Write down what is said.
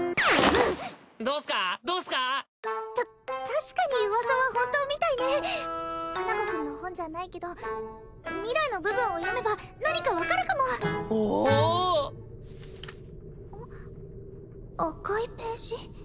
確かに噂は本当みたいね花子くんの本じゃないけど未来の部分を読めば何か分かるかもおお赤いページ？